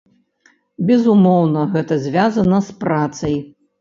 Безумоўна, гэта звязана з працай.